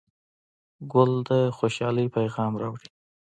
ګل د خوشحالۍ پیغام راوړي.